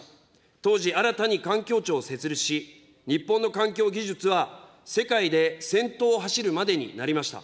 当時、新たに環境庁を設立し、日本の環境技術は世界で先頭を走るまでになりました。